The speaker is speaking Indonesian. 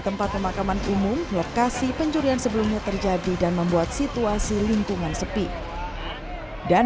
tempat pemakaman umum lokasi pencurian sebelumnya terjadi dan membuat situasi lingkungan sepi dan